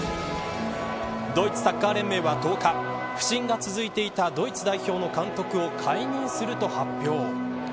ドイツサッカー連盟は１０日不振が続いていたドイツ代表の監督を解任すると発表。